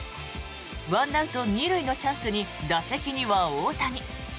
１アウト２塁のチャンスに打席には大谷。